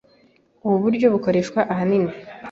Ubu buryo bukoreshwa ahanini